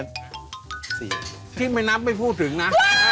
พี่ไม่นับไม่พูดถึงนะ